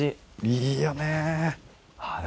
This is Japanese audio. いいよね。